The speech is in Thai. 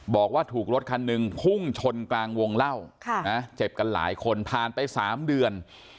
บอกว่าถูกรถคันหนึ่งพุ่งชนกลางวงเล่าเจ็บกันหลายคนผ่านไป๓เดือน